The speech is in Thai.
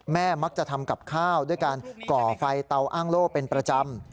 มักจะทำกับข้าวด้วยการก่อไฟเตาอ้างโล่เป็นประจำ